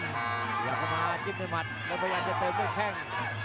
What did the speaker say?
อยากเข้ามากินหน่วยมัดมันพยายามจะเติมด้วยแค่ง